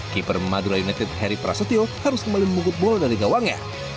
keeper madura united heri prasetyo harus kembali mengunggup bola dari kawangnya